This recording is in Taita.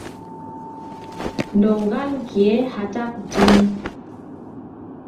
Ndoughalukie hata kutini.